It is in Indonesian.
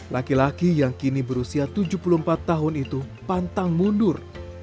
laki laki yang kini berusia tujuh puluh empat tahun itu pantang mundur